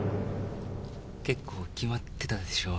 結構決まってたでしょ？